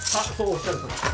おっしゃるとおりです。